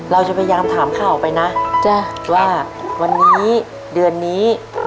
เราจะพยายามถามข่าวไปนะว่าวันนี้เดือนนี้